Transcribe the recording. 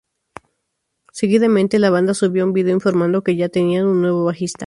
Seguidamente, la banda subió un video informando que ya tenían un nuevo bajista.